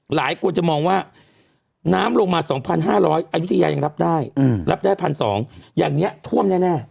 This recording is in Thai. หลายคนจะมองว่าน้ำลงมา๒๕๐๐อายุทยายังรับได้รับได้๑๒๐๐อย่างนี้ท่วมแน่